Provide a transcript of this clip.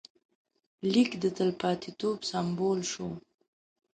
لیک د تلپاتېتوب سمبول شو.